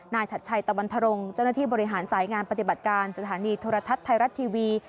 ชัดชัยตะวันทรงเจ้าหน้าที่บริหารสายงานปฏิบัติการสถานีโทรทัศน์ไทยรัฐทีวี